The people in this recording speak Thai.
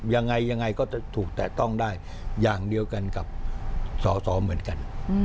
ยังไงยังไงก็จะถูกแตะต้องได้อย่างเดียวกันกับสอสอเหมือนกัน